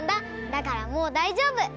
だからもうだいじょうぶ！